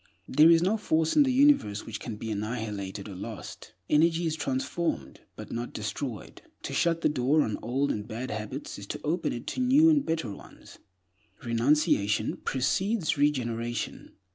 There is no force in the universe which can be annihilated or lost. Energy is transformed, but not destroyed. To shut the door on old and bad habits is to open it to new and better ones. Renunciation precedes regeneration.